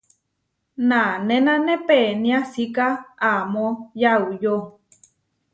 Nanénane peniásika amó yauyó.